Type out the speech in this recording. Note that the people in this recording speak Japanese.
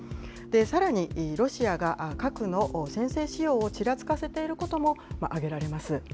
さらにロシアが核の先制使用をちらつかせていることも挙げられます。